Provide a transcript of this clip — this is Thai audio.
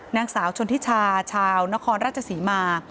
นางสาวชนทิชาชาวนครราชศรีมา